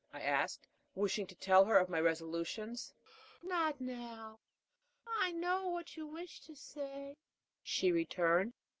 I asked, wishing to tell her of my resolutions. "Not now; I know what you wish to say," she returned.